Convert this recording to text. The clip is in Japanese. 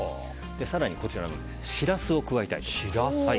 更に、こちらのシラスを加えたいと思います。